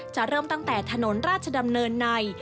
เริ่มตั้งแต่ถนนราชดำเนินใน